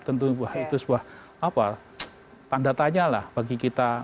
tentu itu sebuah tanda tanya lah bagi kita